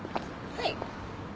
はい。